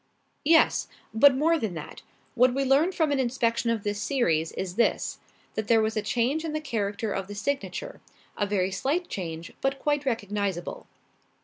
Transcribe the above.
"Yes; but more than that. What we learn from an inspection of this series is this: that there was a change in the character of the signature; a very slight change, but quite recognizable.